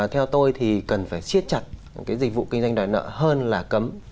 theo tôi thì cần phải siết chặt cái dịch vụ kinh doanh đòi nợ hơn là cấm